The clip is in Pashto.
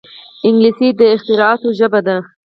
انګلیسي د اختراعاتو ژبه ده